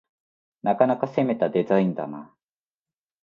なかなか攻めたデザインだな